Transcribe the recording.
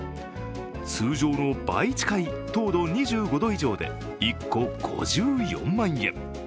通常の倍近い糖度２５度以上で１個５４万円。